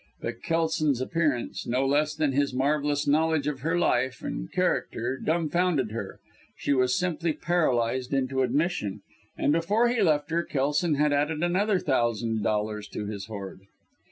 But Kelson's appearance, no less than his marvellous knowledge of her life, and character dumbfounded her she was simply paralysed into admission; and before he left her, Kelson had added another thousand dollars to his hoard.